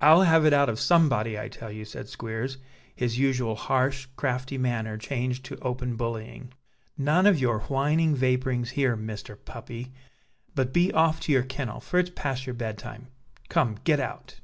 "I'll have it out of somebody, I tell you," said Squeers, his usual harsh, crafty manner changed to open bullying. "None of your whining vapourings here, Mr. Puppy: but be off to your kennel, for it's past your bed time! Come, get out!"